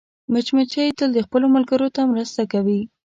مچمچۍ تل خپلو ملګرو ته مرسته کوي